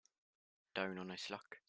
Down on his luck.